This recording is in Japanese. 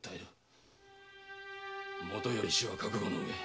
もとより死は覚悟のうえ。